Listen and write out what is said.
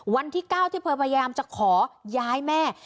วันที่๙ที่เธอพยายามจะขอย้ายแม่